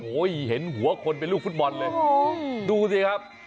โอ้โหเห็นหัวคนเป็นลูกฟุตบอลเลยดูสิครับ